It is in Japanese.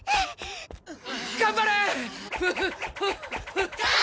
頑張れー！